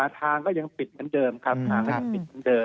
ทางก็ยังปิดเหมือนเดิมครับทางก็ยังปิดเหมือนเดิม